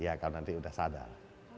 ya kalau nanti sudah sadar